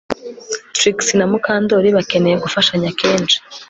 Trix na Mukandoli bakeneye gufashanya kenshi